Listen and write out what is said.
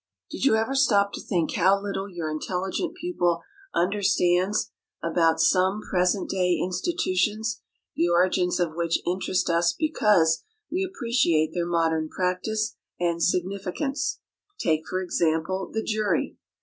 Did you ever stop to think how little your intelligent pupil understands about some present day institutions the origins of which interest us because we appreciate their modern practice and significance? Take, for example, the jury.